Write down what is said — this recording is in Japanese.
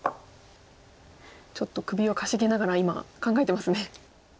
ちょっと首をかしげながら今考えてますね。